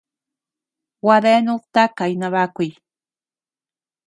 Gua deanud takay nabakuy.